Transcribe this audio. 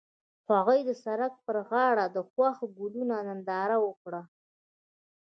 هغوی د سړک پر غاړه د خوښ ګلونه ننداره وکړه.